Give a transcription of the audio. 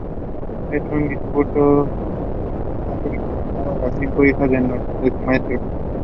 Patrick is the first president of the Representative Council of the French Overseas.